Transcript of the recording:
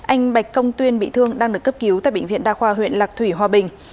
anh bạch công tuyên bị thương đang được cấp cứu tại bệnh viện đa khoa huyện lạc thủy hòa bình